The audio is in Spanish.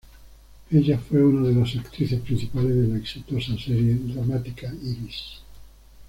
Ella fue una de las actrices principales de la exitosa serie dramática "Iris".